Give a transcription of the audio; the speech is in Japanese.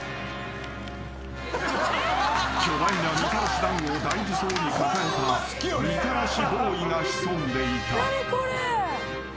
［巨大なみたらしだんごを大事そうに抱えたみたらしボーイが潜んでいた］